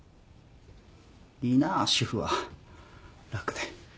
いいなぁ主婦は楽で